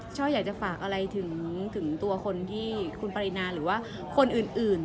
ช่ออยากจะฝากอะไรถึงตัวคนที่คุณปรินาหรือว่าคนอื่น